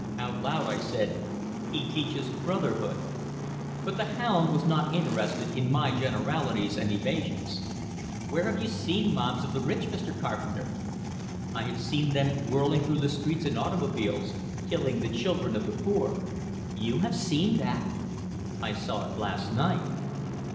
Out loud I said: "He teaches brotherhood." But the hound was not interested in my generalities and evasions. "Where have you seen mobs of the rich, Mr. Carpenter?" "I have seen them whirling through the streets in automobiles, killing the children of the poor." "You have seen that?" "I saw it last night."